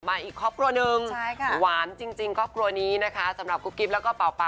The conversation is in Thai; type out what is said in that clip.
อีกครอบครัวหนึ่งหวานจริงครอบครัวนี้นะคะสำหรับกุ๊กกิ๊บแล้วก็เป่า